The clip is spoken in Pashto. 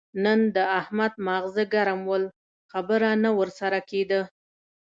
نن د احمد ماغزه ګرم ول؛ خبره نه ور سره کېده.